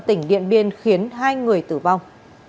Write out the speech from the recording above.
tỉnh điện biên khiến hai người tử vong